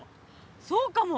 そうかも！